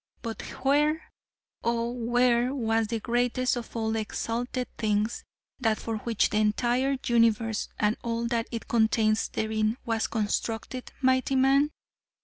But where, oh where, was the greatest of all exalted things that for which the entire universe and all that it contains therein was constructed mighty man?